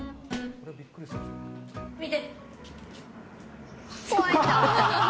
見て。